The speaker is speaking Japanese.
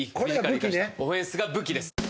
満島：オフェンスが武器です。